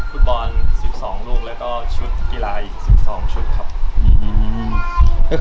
ฟุตบอล๑๒ลูกแล้วก็ชุดกีฬาอีกสิบสองชุดครับ